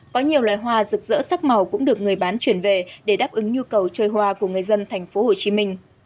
có nhiều loài hoa rực rỡ sắc màu cũng được người bán chuyển về để đáp ứng nhu cầu chơi hoa của người dân tp hcm